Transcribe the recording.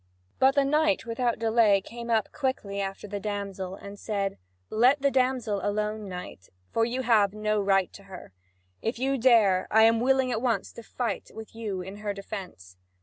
But the knight without delay came up quickly after the damsel, and said: "Let the damsel alone, knight, for you have no right to her! If you dare, I am willing at once to fight with you in her defence."